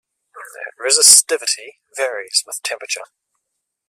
Resistivity varies with temperature.